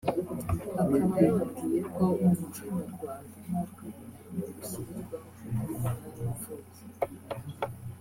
akaba yababwiye ko mu Muco Nyarwanda “Nta rwego na rumwe rushyirirwaho kwita ku bana b’impfubyi